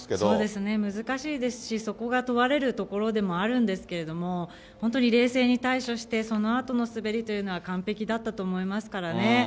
そうですね、難しいですし、そこが問われるところでもあるんですけれども、本当に冷静に対処して、そのあとの滑りというのは完璧だったと思いますからね。